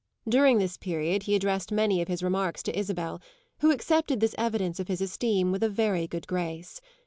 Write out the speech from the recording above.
During this period he addressed many of his remarks to Isabel, who accepted this evidence of his esteem with a very good grace.